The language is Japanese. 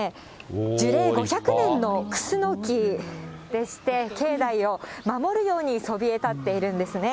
樹齢５００年のクスノキでして、境内を守るようにそびえたっているんですね。